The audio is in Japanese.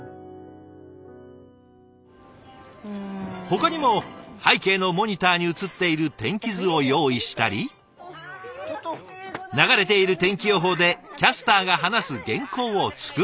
ほかにも背景のモニターに映っている天気図を用意したり流れている天気予報でキャスターが話す原稿を作ったり。